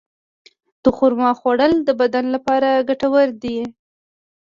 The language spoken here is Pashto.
د خرما خوړل د بدن لپاره ګټور دي.